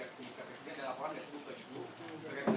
ada laporan dari sdiu ke jepun